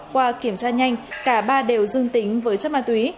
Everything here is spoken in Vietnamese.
qua kiểm tra nhanh cả ba đều dương tính với chất ma túy